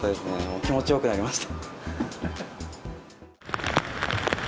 気持ちよくなりました。